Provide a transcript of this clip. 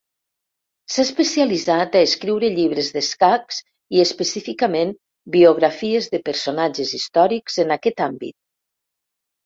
S’ha especialitzat a escriure llibres d'escacs, i específicament biografies de personatges històrics en aquest àmbit.